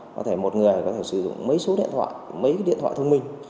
có thể một người có thể sử dụng mấy số điện thoại mấy cái điện thoại thông minh